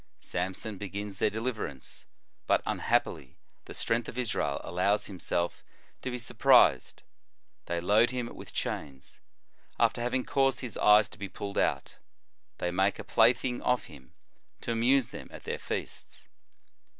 Samson begins their deliverance, but, unhappily, the strength of Israel allows himself to be sur prised. They load him with chains, after having caused his eyes to be pulled out. They make a plaything of him, to amuse them at their feasts.